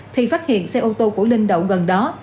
thì phát hiện xe ô tô của linh đậu gần đó